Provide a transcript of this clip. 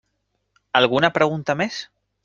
Alguna pregunta més?